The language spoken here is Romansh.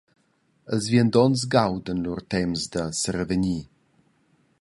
Ils viandonts gaudan lur temps da serevegnir.